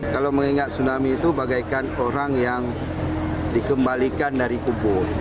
kalau mengingat tsunami itu bagaikan orang yang dikembalikan dari kubur